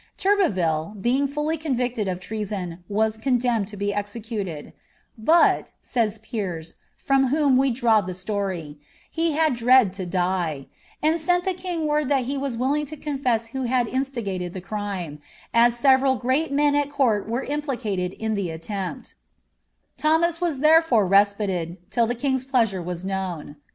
Tnrbeville, brinf fully convicted of treason, was condemned to be execuled ;" but," «Ji Piers, from whom we draw ihe siory, "he had dread to die,'' attd *«i the king word that he was willing lo confess who b&d iiiBbgaled ilic crime, as several great men at court were implicated in ihe aitcnpt Thoma t was therefore respited, till the king's pleasure was knnwa.